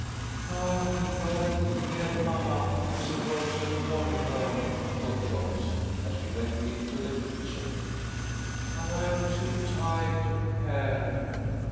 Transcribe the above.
"Now, he'll go and tell mamma, I suppose, and worry her," thought Joyce, as she went into the kitchen. "But I'm too tired to care.